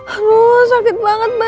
aduh sakit banget badannya